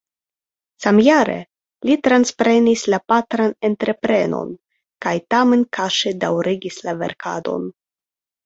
Samjare li transprenis la patran entreprenon kaj tamen kaŝe daŭrigis la verkadon.